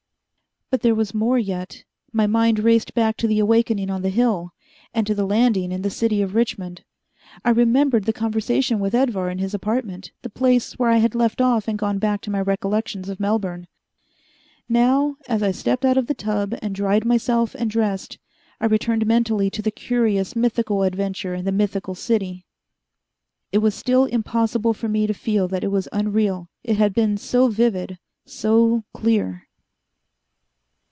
But there was more yet. My mind raced back to the awakening on the hill, and to the landing in the city of Richmond. I remembered the conversation with Edvar in his apartment, the place where I had left off and gone back to my recollections of Melbourne. Now, as I stepped out of the tub and dried myself and dressed, I returned mentally to the curious, mythical adventure in the mythical city. It was still impossible for me to feel that it was unreal, it had been so vivid, so clear.